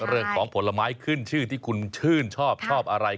เรื่องของผลไม้ขึ้นชื่อที่คุณชื่นชอบชอบอะไร